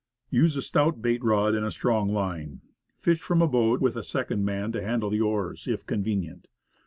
Use a stout bait rod and strong line. Fish from a boat, with a second man to handle the oars, if con venient.